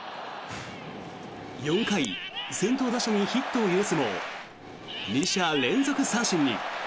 ４回、先頭打者にヒットを許すも２者連続三振に。